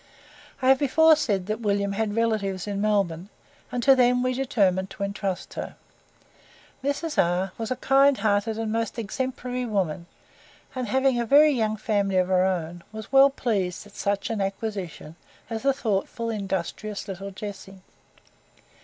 I have before said that William had relatives in Melbourne, and to them we determined to entrust her. Mrs. R was a kind hearted and most exemplary woman; and having a very young family of her own, was well pleased at such an acquisition as the thoughtful, industrious little Jessie.